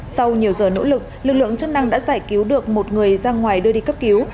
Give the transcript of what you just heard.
sau nhiều giờ nỗ lực lực lượng chức năng đã giải cứu được một người ra ngoài đưa đi cấp cứu